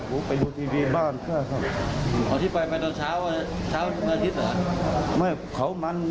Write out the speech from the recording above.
พวกก็ดูที่ไปเล่มมือถืออยู่นอนนอน